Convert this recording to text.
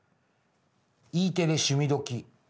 「Ｅテレ趣味どきっ！」。